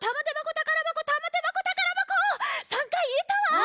３かいいえたわ！